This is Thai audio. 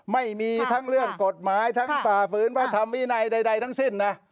ไม่มีทั้งเรื่องกฎหมายทั้งประภาษฐ์ฟื้นพันธมวินัยใดทั้งสิ้น